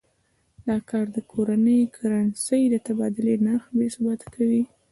دا کار د کورنۍ کرنسۍ د تبادلې نرخ بې ثباته کوي.